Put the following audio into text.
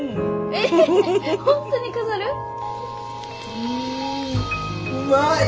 うんうまい！